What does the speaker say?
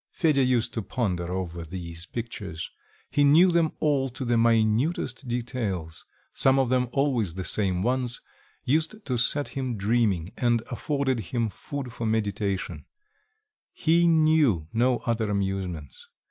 Fedya used to ponder over these pictures; he knew them all to the minutest details; some of them, always the same ones, used to set him dreaming, and afforded him food for meditation; he knew no other amusements.